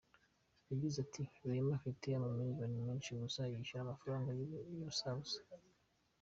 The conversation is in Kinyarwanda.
Yagize ati “Raheem afite amamiliyoni menshi gusa yishyura amafaranga y’ubusabusa.